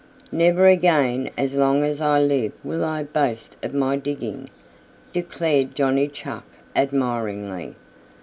"Never again as long as I live will I boast of my digging," declared Johnny Chuck admiringly.